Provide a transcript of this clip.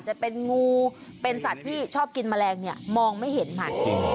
เชอบกินแมลงนี่มองไม่เห็นมัน